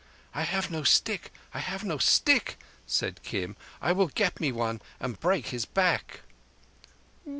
"I have no stick—I have no stick," said Kim. "I will get me one and break his back."